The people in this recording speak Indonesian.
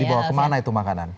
di bawah kemana itu makanan